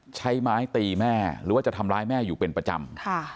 ใช้ไม้ตีแม่หรือว่าจะทำร้ายแม่อยู่เป็นประจำ